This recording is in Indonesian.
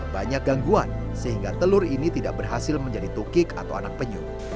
banyak gangguan sehingga telur ini tidak berhasil menjadi tukik atau anak penyu